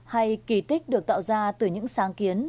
hay kỳ tích được tạo ra từ những sáng kiến